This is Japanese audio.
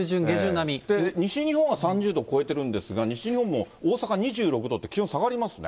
西日本は３０度を超えてるんですが、西日本も大阪２６度って、気温下がりますね。